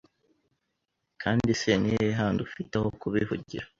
Kandi se ni hehe handi ufite ho kubivugira